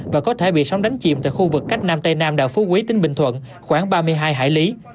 và có thể bị sóng đánh chìm tại khu vực cách nam tây nam đảo phú quý tỉnh bình thuận khoảng ba mươi hai hải lý